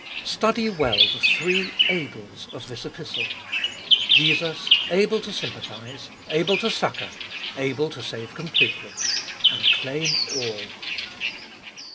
2. Study well the three ables of this Epistle. Jesus able to sympathise, able to succour, able to save completely. And claim all.